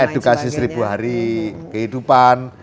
edukasi seribu hari kehidupan